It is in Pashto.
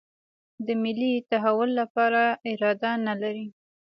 د ملي تحول لپاره اراده نه لري.